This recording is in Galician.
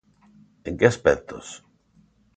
En que aspectos?